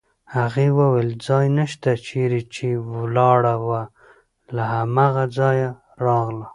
هغې وویل: ځای نشته، چېرې چې ولاړه وه له هماغه ځایه راغله.